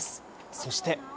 そして。